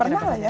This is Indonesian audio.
pernah lah ya